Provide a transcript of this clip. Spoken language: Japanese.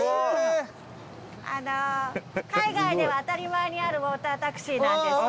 海外では当たり前にあるウォータータクシーなんですけど。